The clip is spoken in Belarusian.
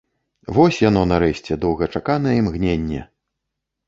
Вось яно, нарэшце, доўгачаканае імгненне!